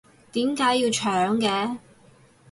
點解要搶嘅？